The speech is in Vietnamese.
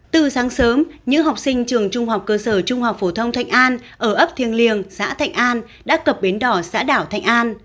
từ sáng sớm những học sinh trường trung học cơ sở trung học phổ thông thạnh an ở ấp thiêng liêng xã thạnh an đã cập bến đỏ xã đảo thạnh an